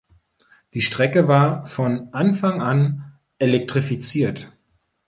Die Strecke war von Anfang an elektrifiziert.